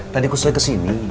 tadi aku coy kesini